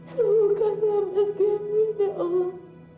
selamatkanlah mas kevin ya allah